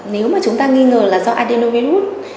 nếu mà chúng ta nghi ngờ là do adenovirus